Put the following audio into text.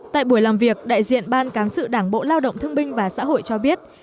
tại buổi làm việc đại diện ban cán sự đảng bộ lao động thương binh và xã hội cho biết